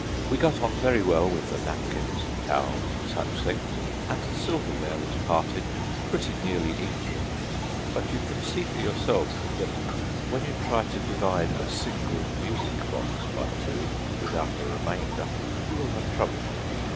We got on very well with the napkins, towels and such things, and the silverware was parted pretty nearly equally, but you can see for yourself that when you try to divide a single music box by two without a remainder you will have trouble.